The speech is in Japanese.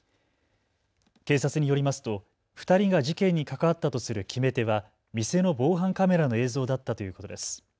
警察によりますと２人が事件に関わったとする決め手は店の防犯カメラの映像だったということです。